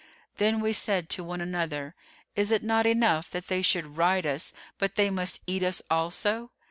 Then we said to one another, 'Is it not enough that they should ride us, but they must eat us also?